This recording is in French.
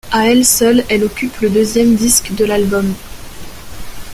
À elle seule, elle occupe le deuxième disque de l'album.